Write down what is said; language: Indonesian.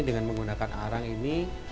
dengan menggunakan arang ini